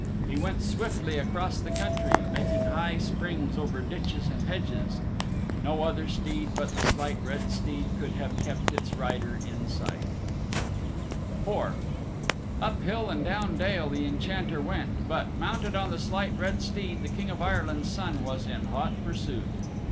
He went swiftly across the country, making high springs over ditches and hedges. No other steed but the Slight Red Steed could have kept its rider in sight of him. IV Up hill and down dale the Enchanter went, but, mounted on the Slight Red Steed, the King of Ireland's Son was in hot pursuit.